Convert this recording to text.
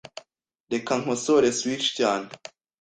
Reka nkosore switch cyane.